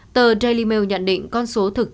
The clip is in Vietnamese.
tờ daily mail nhận định con số thực chất chắc chắn